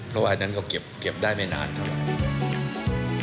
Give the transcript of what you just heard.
เพราะว่าอันนั้นก็เก็บได้ไม่นานเท่าไหร่